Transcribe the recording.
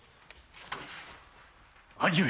兄上！